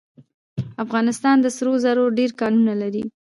افغانستان د سرو زرو ډیر کانونه لري.